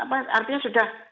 apa artinya sudah